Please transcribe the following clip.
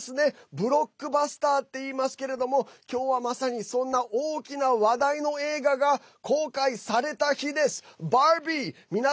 ブロックバスターっていいますけれども今日は、まさにそんな大きな話題の映画が公開された日です。